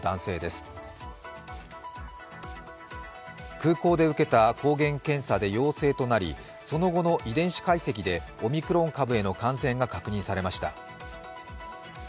空港で受けた抗原検査で陽性となり、その後の遺伝子解析でオミクロン株への感染が確認されました。